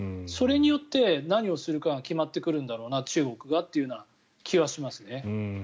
それによって何をするかが決まってくるんだ中国がっていう気はしますね。